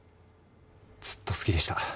ずっと好きでした。